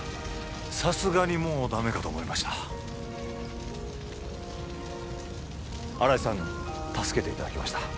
さすがにもうダメかと思いました新井さんに助けていただきました